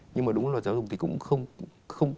nhưng mà đúng là luật giáo dục thì cũng không